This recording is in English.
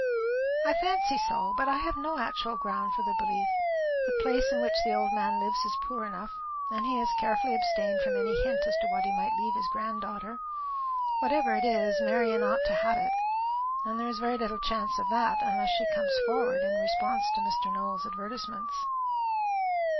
"I fancy so. But I have no actual ground for the belief. The place in which the old man lives is poor enough, and he has carefully abstained from any hint as to what he might leave his granddaughter. Whatever it is, Marian ought to have it; and there is very little chance of that, unless she comes forward in response to Mr. Nowell's advertisements."